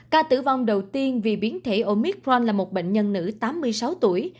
ca tử vong đầu tiên vì biến thể omitron là một bệnh nhân nữ tám mươi sáu tuổi